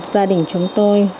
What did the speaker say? gia đình chúng tôi